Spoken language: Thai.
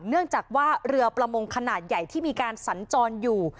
เนื่องจากว่าเรือประมงขนาดใหญ่ที่มีการสัญจรอยู่